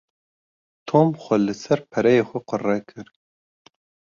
Tom xwe li ser pereyê xwe qure kir.